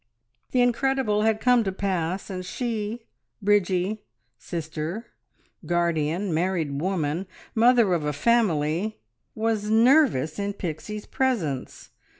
The incredible had come to pass, and she, Bridgie, sister, guardian, married woman, mother of a family, was nervous in Pixie's presence!